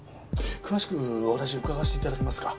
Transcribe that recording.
詳しくお話伺わせて頂けますか？